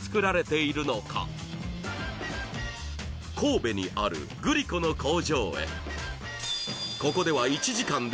神戸にあるグリコの工場へ